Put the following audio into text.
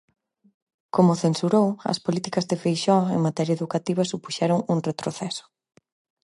Como censurou, as políticas de Feixóo en materia educativa supuxeron "un retroceso".